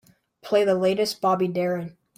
Play the latest Bobby Darin.